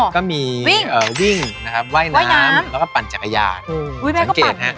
ก็มีวิ่งว่ายน้ำแล้วก็ปั่นจักรยาน